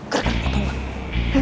gerak gerak tuh temen